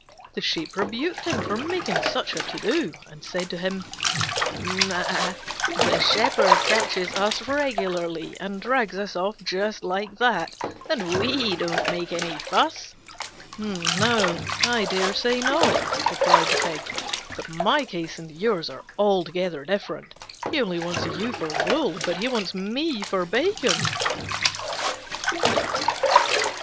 The Sheep rebuked him for making such a to do, and said to him, "The shepherd catches us regularly and drags us off just like that, and we don't make any fuss." "No, I dare say not," replied the Pig, "but my case and yours are altogether different: he only wants you for wool, but he wants me for bacon."